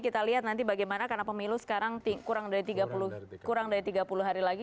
kita lihat nanti bagaimana karena pemilu sekarang kurang dari tiga puluh hari lagi